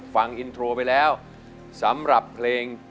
ฟังอินโทรไปแล้วสำหรับเพลงที่๓นะครับ